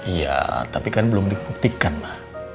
iya tapi kan belum dipuktikan ma